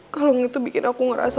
kalung itu bikin aku ngerasa